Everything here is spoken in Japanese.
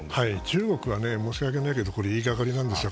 中国はそれでなくても言いがかりなんですよ。